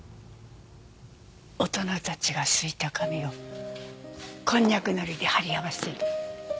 大人たちが漉いた紙をコンニャクのりで貼り合わせる。